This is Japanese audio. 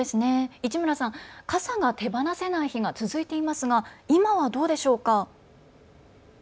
市村さん、傘が手放せない日が続いていますが今はどうでしょうか。